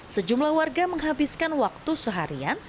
sejumlah warga menghabiskan waktu seharian